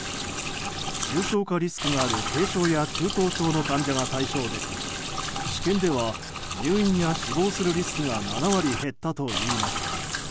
重症化リスクがある軽症や中等症の患者が対象で治験では入院や死亡するリスクが７割減ったといいます。